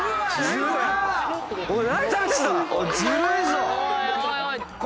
すごいな！